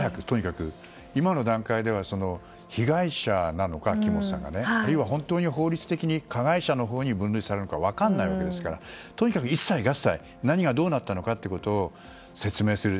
今の段階では木本さんが被害者なのかあるいは本当に法律的に加害者に分類されるのか分からないわけですからとにかく一切合財何がどうなったかということを説明する。